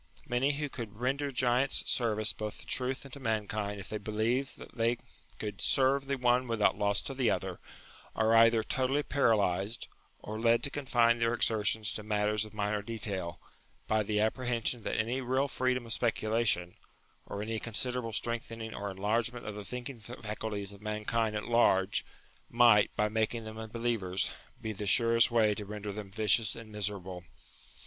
Many who could render giant's service both to truth and to mankind if they believed that they could serve the 72 UTILITY OF RELIGION one without loss to the other, are either totally para lysed, or led to confine their exertions to matters of minor detail, by the apprehension that any real free dom of speculation, or any considerable strengthening or enlargement of the thinking faculties of mankind at large, might, by making them unbelievers, be the surest way to render them vicious and miserable.